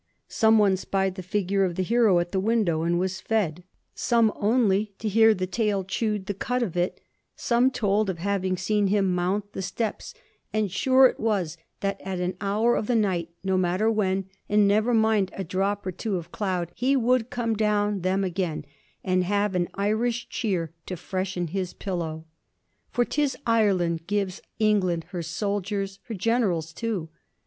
Some one spied the figure of the hero at the window and was fed; some only to hear the tale chewed the cud of it; some told of having seen him mount the steps; and sure it was that at an hour of the night, no matter when, and never mind a drop or two of cloud, he would come down them again, and have an Irish cheer to freshen his pillow. For 'tis Ireland gives England her soldiers, her generals too.